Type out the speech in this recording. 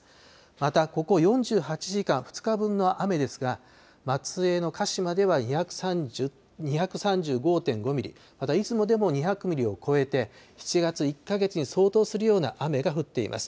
またここ４８時間、２日分の雨ですが、松江の鹿島では２３５．５ミリ、また出雲でも２００ミリを超えて、７月１か月に相当するような雨が降っています。